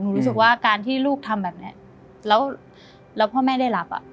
ผมมีความรู้สึกว่าที่พ่อแม่ได้รับ